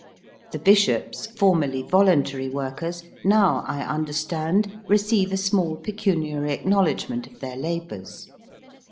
The Bishops, formerly voluntary workers, now, I understand, receive a small pecuniary acknowledgment of their labours.